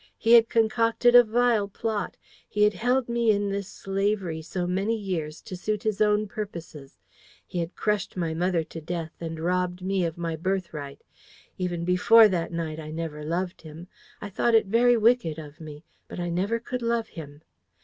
He had concocted a vile plot. He had held me in this slavery so many years to suit his own purposes. He had crushed my mother to death, and robbed me of my birthright. Even before that night, I never loved him. I thought it very wicked of me, but I never could love him.